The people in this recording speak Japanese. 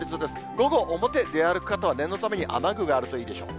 午後、表を出歩く方は、念のために雨具があるといいでしょう。